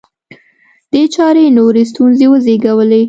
دې چارې نورې ستونزې وزېږولې